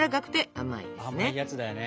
甘いやつだよね。